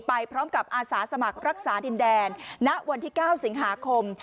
ไปพร้อมกับอาสาสมัครรักษาดินแดนณวันที่๙สิงหาคม